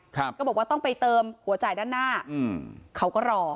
ก็บอกว่าต้องไปเติมหัวจ่ายด้านหน้าอืมเขาก็รอ